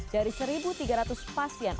dari satu tiga ratus pasien